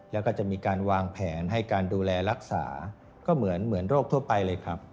แล้วก็จะมีการวางแผนให้การดูแลรักษาก็เหมือนโรคทั่วไปเลยครับ